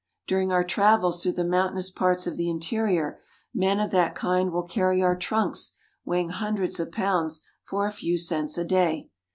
During our travels through the mountainous parts of the interior, men of that kind will carry our trunks weighing hundreds of pounds for a few cents a day.